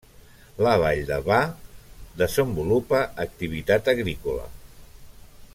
La vall de Váh desenvolupa activitat agrícola.